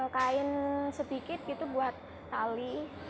kain sedikit buat tali